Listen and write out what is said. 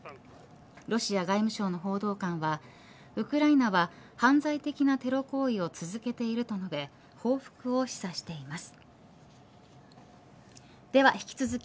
ロシア外務省の報道官はウクライナは犯罪的なテロ行為を続けていると述べ報復を示唆しています。